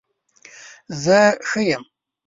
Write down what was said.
زه ښه یم